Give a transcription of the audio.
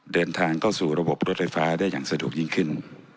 เดินทางเข้าสู่ระบบรถไฟฟ้าได้อย่างสะดวกยิ่งขึ้น